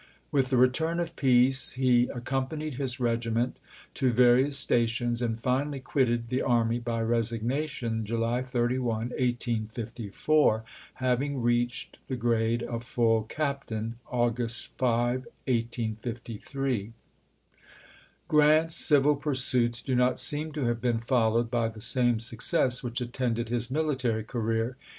With the return of peace, he accompanied his regi ment to various stations, and finally quitted the army by resignation July 31, 1854, having reached the grade of full captain August 5, 1853. Q rant's civil pursuits do not seem to have been followed by the same success which attended his military career.